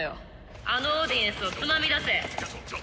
「あのオーディエンスをつまみ出せ」